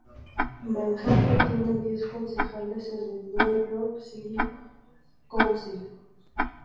Manhattan tiene diez concejales en el "New York City Council".